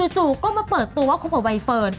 จู่ก็มาเปิดตัวว่าคบกับใบเฟิร์น